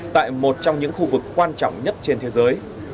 tại một trong những khu vực quan trọng nhất trên thế giới